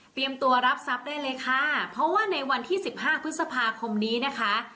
ตัวรับทรัพย์ได้เลยค่ะเพราะว่าในวันที่สิบห้าพฤษภาคมนี้นะคะ